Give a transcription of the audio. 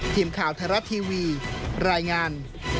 ทีมข่าวทรัตน์ทีวีรายงาน